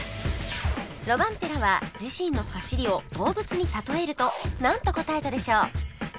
ロバンペラは自身の走りを動物に例えるとなんと答えたでしょう？